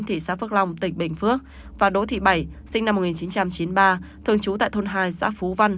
thị xã phước long tỉnh bình phước và đỗ thị bảy sinh năm một nghìn chín trăm chín mươi ba thường trú tại thôn hai xã phú văn